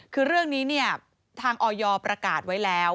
คือเรื่องนี้เนี่ยทางออยประกาศไว้แล้ว